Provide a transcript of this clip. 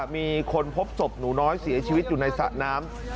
มีคนพบศพหนูน้อยเสียชีวิตอยู่ในสระน้ำ